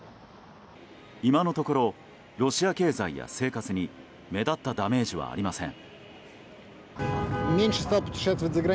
今のところロシア経済や生活に目立ったダメージはありません。